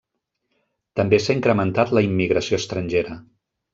També s'ha incrementat la immigració estrangera.